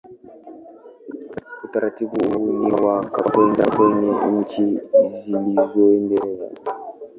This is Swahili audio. Utaratibu huu ni wa kawaida kwenye nchi zilizoendelea.